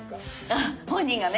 あ本人がね！